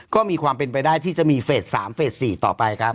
ก็มีความเป็นไปได้ที่จะมีเฟส๓เฟส๔ต่อไปครับ